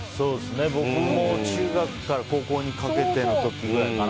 僕も中学から高校にかけての時くらいかな。